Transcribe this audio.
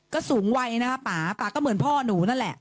ก็สูงวัยนะคะป่าป่าก็เหมือนพ่อหนูนั่นแหละ